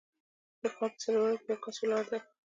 د ښار په څلورلارې کې یو کس ولاړ دی.